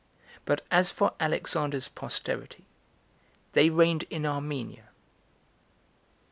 But as for Alexander's posterity, they reigned in Armenia.